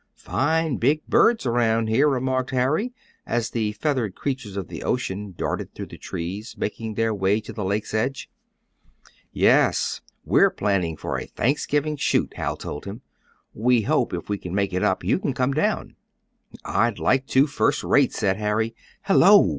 "Fine big birds around here," remarked Harry, as the feathered creatures of the ocean darted through the trees, making their way to the lake's edge. "Yes, we're planning for a Thanksgiving shoot," Hal told him. "We hope, if we make it up, you can come down." "I'd like to first rate," said Harry. "Hello!"